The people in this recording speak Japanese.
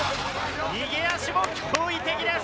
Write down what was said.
逃げ足も驚異的です。